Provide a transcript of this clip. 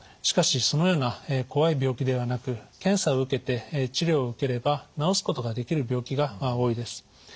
しかしそのような怖い病気ではなく検査を受けて治療を受ければ治すことができる病気が多いです。